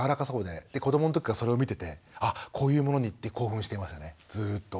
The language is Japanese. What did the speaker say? で子どもの時からそれを見ててあっこういうものにって興奮してましたねずっと。